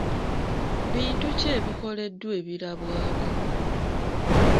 Bintu ki ebikoleddwa ebirabwako?